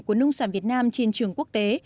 của nông sản việt nam trên trường quốc tế